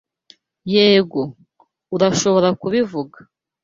Yego, urashobora kubivuga.